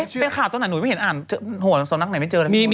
เห็นข่าวตอนหน่านหนูไม่เห็นอ่านหัวมาสองหนังไหนไม่เจออะไร